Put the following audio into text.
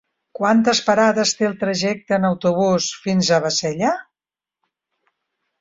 Quantes parades té el trajecte en autobús fins a Bassella?